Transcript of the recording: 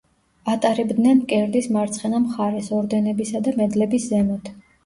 ატარებდნენ მკერდის მარცხენა მხარეს, ორდენებისა და მედლების ზემოთ.